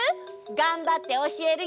がんばっておしえるよ！